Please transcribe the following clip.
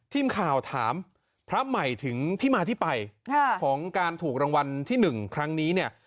ทีมข่าวถามพระใหม่ถึงที่มาที่ไปของการถูกรางวัลที่๑ครั้งนี้เนี่ย